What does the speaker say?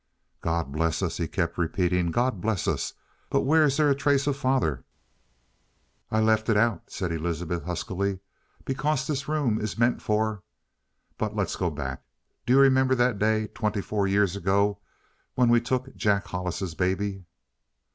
"God bless us!" he kept repeating. "God bless us! But where's there a trace of Father?" "I left it out," said Elizabeth huskily, "because this room is meant for but let's go back. Do you remember that day twenty four years ago when we took Jack Hollis's baby?"